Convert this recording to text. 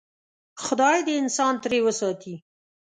خدای دې انسان ترې وساتي.